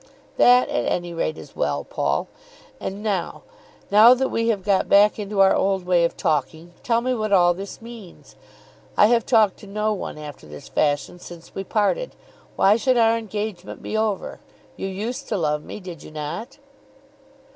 "That at any rate is well, Paul. And now, now that we have got back into our old way of talking, tell me what all this means. I have talked to no one after this fashion since we parted. Why should our engagement be over? You used to love me, did you not?"